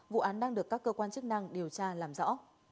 vụ án đang được các cơ quan chức năng điều tra làm rõ